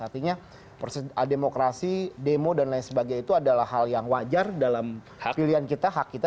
artinya proses demokrasi demo dan lain sebagainya itu adalah hal yang wajar dalam pilihan kita hak kita